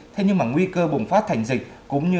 thế nhưng mà nguy cơ bùng phát thành dịch